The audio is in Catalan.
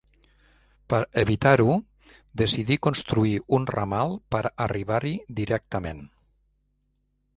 Per evitar-ho decidí construir un ramal per arribar-hi directament.